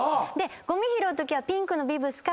ゴミ拾うときはピンクのビブスか。